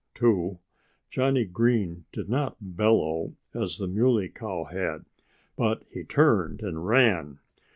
too Johnnie Green did not bellow as the Muley Cow had. But he turned and ran.